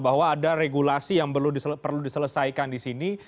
bahwa ada regulasi yang perlu diselesaikan di sini